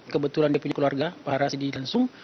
kebetulan dia punya keluarga pak rasidi dan sung